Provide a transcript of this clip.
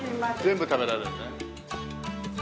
全部食べられるね。